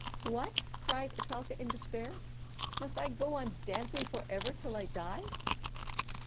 "What!" cried Etelka in despair, "must I then go on dancing forever till I die?"